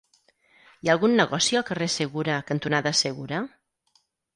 Hi ha algun negoci al carrer Segura cantonada Segura?